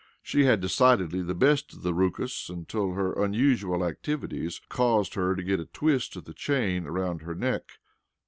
She had decidedly the best of the rookus until her unusual activities caused her to get a twist of the chain around her neck.